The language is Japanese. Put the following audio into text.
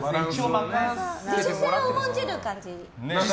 自主性を重んじる感じ。